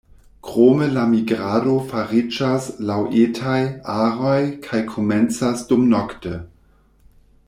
Krome la migrado fariĝas laŭ etaj aroj kaj komencas dumnokte.